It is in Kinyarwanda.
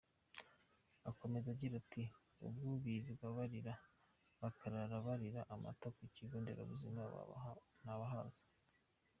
Akomeza agira ati : “Ubu birirwa barira bakarara barira ; amata ku kigo nderabuzima babaha ntabahaza.